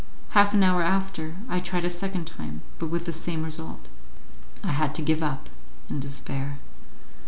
Half an hour after, I tried a second time, but with the same result. I had to give it up in despair.